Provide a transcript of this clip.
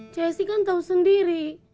cee kan tahu sendiri